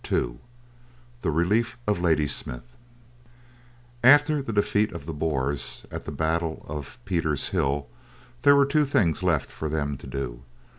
II THE RELIEF OF LADYSMITH After the defeat of the Boers at the battle of Pieter's Hill there were two things left for them to do.